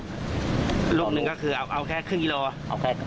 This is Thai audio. ลูกหนึ่งก็คือเอาแค่ครึ่งกิโลเอาแค่